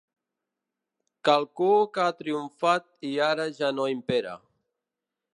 Qualcú que ha triomfat i ara ja no impera.